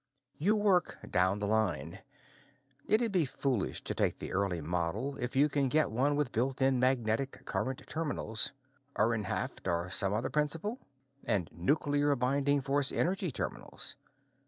You work down the line. It'd be foolish to take the early model if you can get one with built in magnetic current terminals Ehrenhaft or some other principle? and nuclear binding force energy terminals.